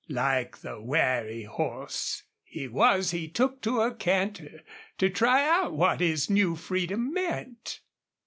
Like the wary horse he was he took to a canter, to try out what his new freedom meant.